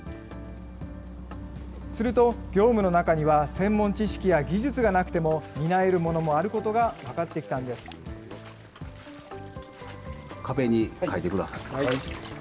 すると業務の中には、専門知識や技術がなくても担えるものもあることが分かってきたん壁に書いてください。